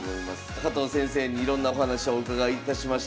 加藤先生にいろんなお話をお伺いいたしました。